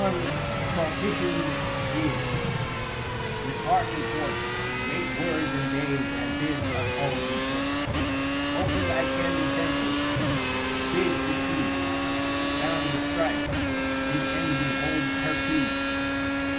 The dawn propitious is ; with heart and voice Mate words and days and bid us all rejoice ; Open thy candid temples, bid to cease 80 The sounds of strife, bid Envy hold her peace.